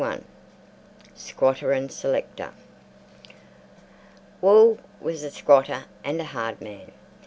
—SQUATTER AND SELECTOR Wall was a squatter and a hard man.